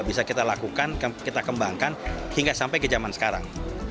bisa kita lakukan kita kembangkan hingga sampai ke zaman sekarang